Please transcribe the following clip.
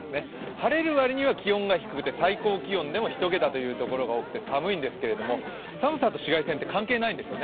晴れる割には気温が低くて最高気温でも１桁という所が多くて寒いんですけれども、寒さと紫外線って関係ないんですよね。